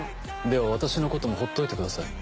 では私のこともほっといてください。